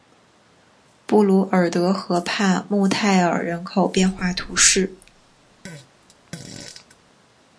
布卢尔德河畔穆泰尔人口变化图示